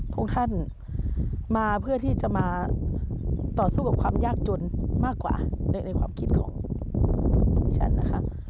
พวกท่านมาเพื่อที่จะมาต่อสู้กับความยากจนมากกว่าในความคิดของดิฉันนะคะ